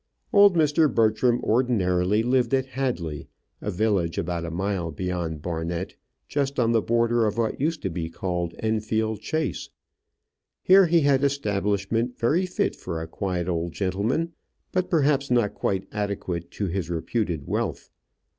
Old Mr. Bertram ordinarily lived at Hadley, a village about a mile beyond Barnet, just on the border of what used to be called Enfield Chase. Here he had an establishment very fit for a quiet old gentleman, but perhaps not quite adequate to his reputed wealth.